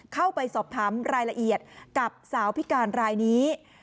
เข้าไปสอบถามรายละเอียดกับสาวพิการรายนี้